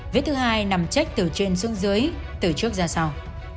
vết thứ hai nằm chết từ trên xương dưới từ trước ra sau